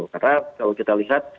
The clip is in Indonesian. karena kalau kita lihat